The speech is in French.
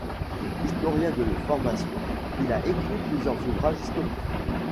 Historien de formation, il a écrit plusieurs ouvrages historiques.